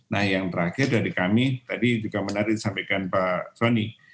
nah yang terakhir dari kami tadi juga menarik disampaikan pak soni